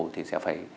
thì sẽ phải